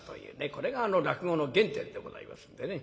これが落語の原点でございますんでね。